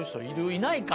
いないか。